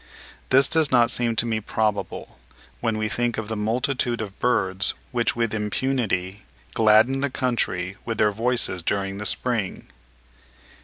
This does not seem to me probable, when we think of the multitude of birds which with impunity gladden the country with their voices during the spring.